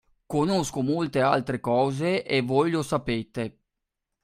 Conosco molte altre cose e voi lo sapete.